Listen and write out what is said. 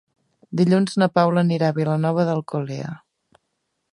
Dilluns na Paula anirà a Vilanova d'Alcolea.